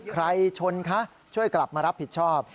ใครชนคะช่วยกลับมารับผิดชอบ